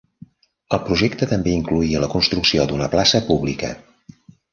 El projecte també incloïa la construcció d'una plaça pública.